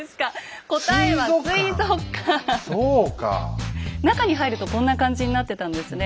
答えは中に入るとこんな感じになってたんですね。